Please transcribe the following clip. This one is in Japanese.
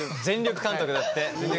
全力監督だって。